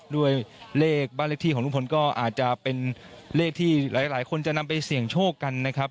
ด้วยเลขบ้านเลขที่ของลุงพลก็อาจจะเป็นเลขที่หลายคนจะนำไปเสี่ยงโชคกันนะครับ